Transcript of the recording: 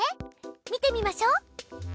見てみましょう。